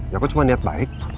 ya aku cuma niat baik